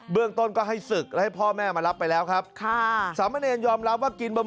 เบื้องต้นก็ให้ศึกแล้วให้พ่อแม่มารับไปแล้วครับ